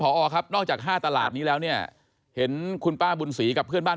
พอครับนอกจาก๕ตลาดนี้แล้วเนี่ยเห็นคุณป้าบุญศรีกับเพื่อนบ้าน